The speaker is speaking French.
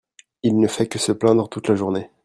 il ne fait que se plaindre toute la journée.